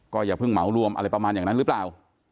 อย่าเพิ่งเหมารวมอะไรประมาณอย่างนั้นหรือเปล่า